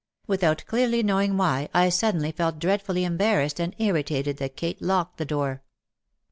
Without clearly knowing why, I suddenly felt dreadfully embarrassed and irritated that Kate locked the door.